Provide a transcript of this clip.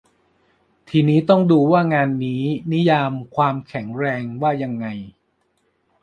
ทีนี้ต้องดูว่างานนี้นิยาม "ความแข็งแรง" ว่ายังไง